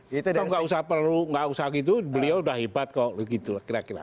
kalau nggak usah perlu nggak usah gitu beliau udah hebat kok begitu lah kira kira